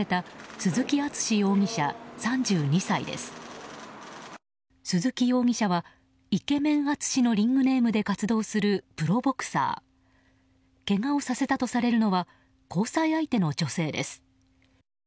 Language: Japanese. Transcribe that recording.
鈴木容疑者はイケメン淳のリングネームで活動するプロボクサー。けがをさせたとされるのは交際相手の女性です。